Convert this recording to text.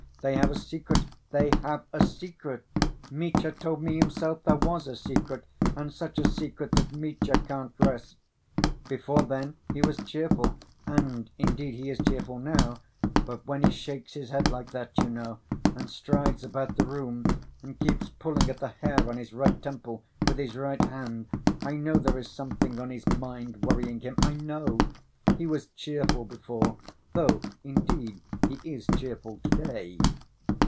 "They have a secret, they have a secret! Mitya told me himself there was a secret, and such a secret that Mitya can't rest. Before then, he was cheerful—and, indeed, he is cheerful now—but when he shakes his head like that, you know, and strides about the room and keeps pulling at the hair on his right temple with his right hand, I know there is something on his mind worrying him.... I know! He was cheerful before, though, indeed, he is cheerful to‐day."